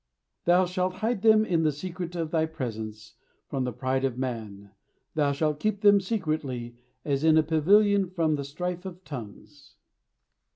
"Thou shalt hide them in the secret of thy presence from the pride of man; thou shalt keep them secretly as in a pavilion from the strife of tongues."